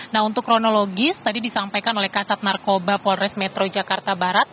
nah untuk kronologis tadi disampaikan oleh kasat narkoba polres metro jakarta barat